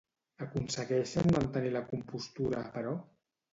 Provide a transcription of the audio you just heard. Aconsegueixen mantenir la compostura, però?